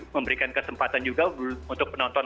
memberikan kesempatan juga untuk penonton